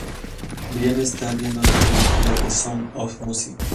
Brian está viendo la película "The Sound of Music".